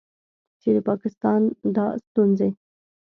چې د پاکستان دا ستونځې